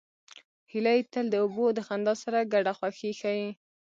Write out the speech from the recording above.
هیلۍ تل د اوبو د خندا سره ګډه خوښي ښيي